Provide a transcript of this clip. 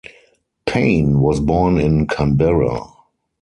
Payne was born in Canberra.